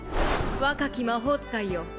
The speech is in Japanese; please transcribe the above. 若き魔法使いよ